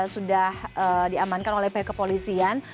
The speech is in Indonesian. sudah diamankan oleh pihak kepolisian